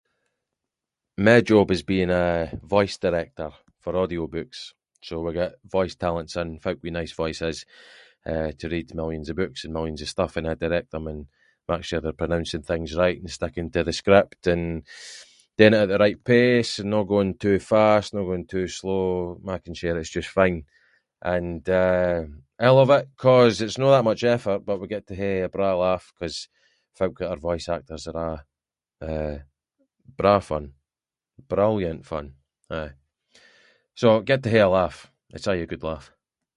My job is being a- a voice director for audio books, so we get voice talents in, folk with nice voices, eh, to read millions of books and millions of stuff and I direct them and mak sure they’re pronouncing things right and sticking to the script and doing it at the right pace and no going too fast, no going too slow, making sure it’s just fine, and eh, I love it ‘cause it’s no that much effort, but we get to hae a braw laugh, ‘cause folk that are voice actors are a’, eh, braw fun, brilliant fun, aye. So I get to hae a laugh, it’s aie a good laugh.